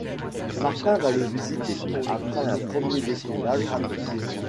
Martin va le visiter, après un premier décollage raté.